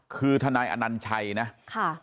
คือทนายอนัญชัยนะค่ะ